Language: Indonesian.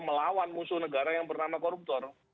melawan musuh negara yang bernama koruptor